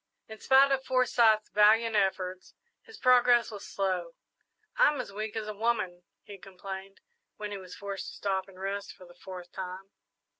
In spite of Forsyth's valiant efforts, his progress was slow. "I'm as weak as a woman," he complained, when he was forced to stop and rest for the fourth time.